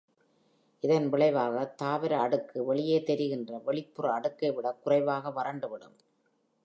இதன் விளைவாக, தாவர அடுக்கு வெளியே தெரிகின்ற வெளிப்புற அடுக்கை விடக் குறைவாக வறண்டுவிடும்.